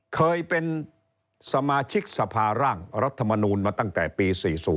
เคยเป็นสมาชิกสภาร่างรัฐมนูลมาตั้งแต่ปี๔๐